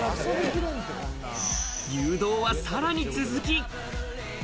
誘導はさらに続き。